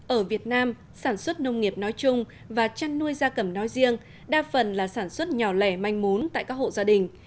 ở việt nam sản xuất nông nghiệp nói chung và chăn nuôi gia cầm nói riêng đa phần là sản xuất nhỏ lẻ manh mún tại các hộ gia đình